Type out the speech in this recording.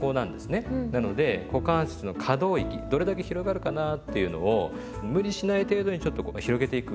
なので股関節の可動域どれだけ広がるかなっていうのを無理しない程度にちょっとこう広げていく。